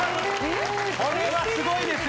これはすごいですよ